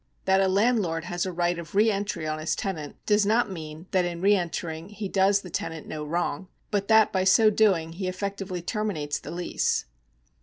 That a landlord has a right of re entry on his tenant does not mean that in re entering he does the tenant no wrong, but that by so doing he effectively terminates the lease.